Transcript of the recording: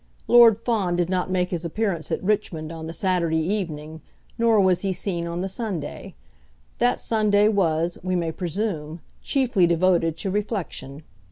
Lord Fawn did not make his appearance at Richmond on the Saturday evening, nor was he seen on the Sunday. That Sunday was, we may presume, chiefly devoted to reflection.